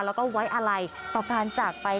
แล้วก็ไว้อะไรต่อการจากไป